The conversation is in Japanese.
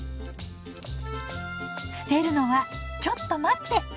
捨てるのはちょっと待って！